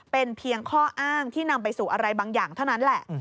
เป็นเพียงข้ออ้างที่นำไปสู่อะไรบางอย่างเท่านั้นแหละ